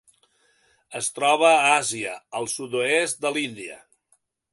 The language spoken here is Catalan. Es troba a Àsia: el sud-oest de l'Índia.